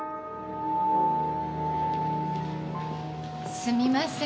すみません。